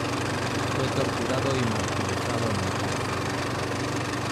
Fue torturado y martirizado en la cárcel.